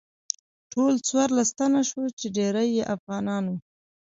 ټول څوارلس تنه شوو چې ډیری یې افغانان وو.